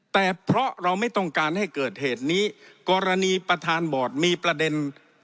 แต่เพราะเราไม่ต้องการให้เกิดเหตุนี้กรณีประธานบอร์ดมีประเด็น